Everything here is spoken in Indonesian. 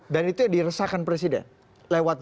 dan itu yang diresahkan presiden lewat